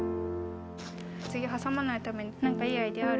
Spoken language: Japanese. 次挟まないためになんかいいアイデアある？